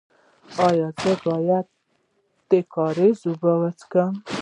ایا زه باید د کاریز اوبه وڅښم؟